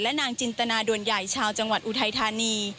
นางจินตนาด่วนใหญ่ชาวจังหวัดอุทัยธานี